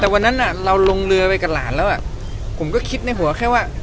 แต่วันนั้นเราลงเรือไปกับหลานแล้วอ่ะผมก็คิดในหัวแค่ว่า